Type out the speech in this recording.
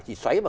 chỉ xoáy vào